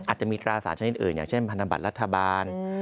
อาจจะมีตราสารชนิดอื่นอย่างเช่นพันธบัตรรัฐบาล